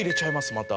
また。